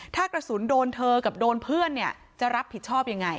ถ้ากระสุนโดนเธอกับโดนเพื่อนเนี่ยจะรับผิดชอบยังไง